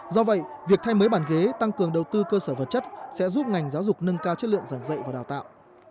do vậy việc thay mới bàn ghế tăng cường đầu tư cơ sở vật chất sẽ giúp ngành giáo dục nâng cao chất lượng giảng dạy và đào tạo